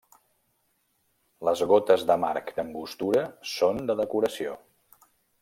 Les gotes d'amarg d'Angostura són de decoració.